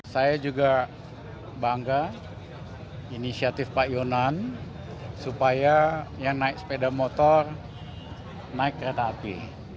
saya juga bangga inisiatif pak yonan supaya yang naik sepeda motor naik kereta api